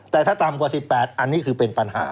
แต่ถ้าต่ำกว่า๑๘อันนี้คือเป็นปัญหา